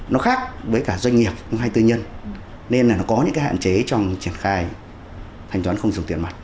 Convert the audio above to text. nó khác với cả doanh nghiệp hay tư nhân nên là nó có những cái hạn chế trong triển khai thanh toán không dùng tiền mặt